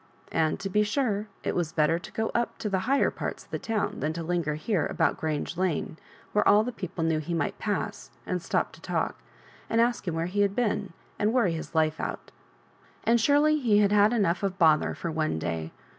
And, to be sure, it was better to go up to the higher parts of the town than to linger here about Grange Lane, where all the people he knew might pass, and stop to talk, and ask him where he had been, and worry his life out And surely he had had enough of bother for one day.